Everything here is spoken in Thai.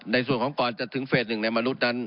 ในส่วนของก่อนจะถึงเฟสหนึ่งในมนุษย์นั้น